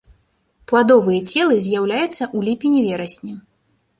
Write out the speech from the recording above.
Пладовыя целы з'яўляюцца ў ліпені-верасні.